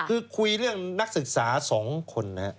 คือคุยเรื่องนักศึกษา๒คน